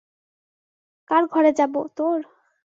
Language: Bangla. কার ঘরে যাব, তোর?